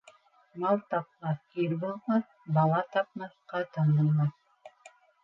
Мал тапмаҫ ир булмаҫ, бала тапмаҫ ҡатын булмаҫ.